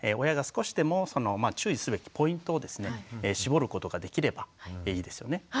親が少しでも注意すべきポイントをですね絞ることができればいいですよね。